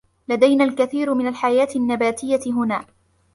لدينا الكثير من الحياة النّباتيّة هنا.